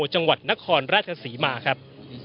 จังหวัดนครราชศรีมาครับ